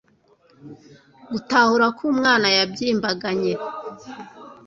gutahura ko umwana yabyimbaganye